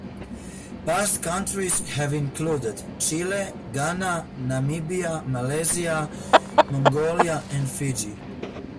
Past countries have included Chile, Ghana, Namibia, Malaysia, Mongolia and Fiji.